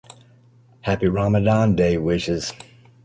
Happy Ramadan day wishes!